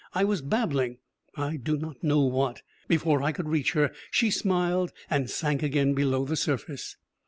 I was babbling I do not know what. Before I could reach her, she smiled and sank again below the surface.